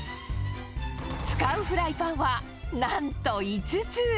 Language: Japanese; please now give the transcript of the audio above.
使うフライパンは、なんと５つ。